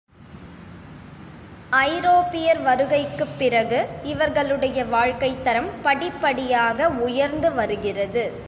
ஐரோப்பியர் வருகைக்குப் பிறகு, இவர்களுடைய வாழ்க்கைத்தரம் படிப்படியாக உயர்ந்து வருகிறது.